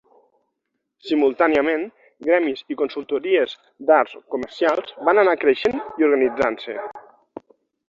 Simultàniament, gremis i consultories d'arts comercials van anar creixent i organitzant-se.